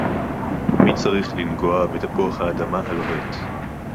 מי צריך לנגוע בתפוח האדמה הלוהט